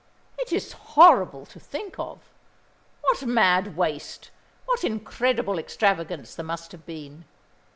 It is horrible to think of. What mad waste, what incredible extravagance there must have been.